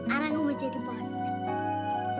ara nggak mau jadi pohon